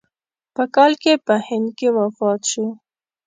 په کال کې په هند کې وفات شو.